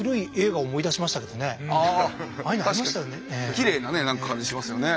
きれいなね感じしますよね